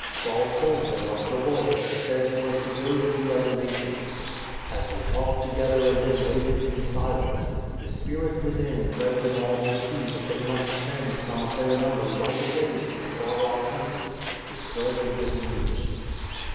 Saul told them of the Voice that said he was to go to the other nations. As they talked together and then waited in silence, the Spirit within led them all to see that they must send THE CALL ABROAD 113 some of their number right away to the far off coun tries to spread the Good News.